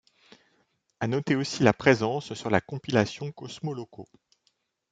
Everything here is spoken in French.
À noter aussi la présence sur la compilation Kosmoloko.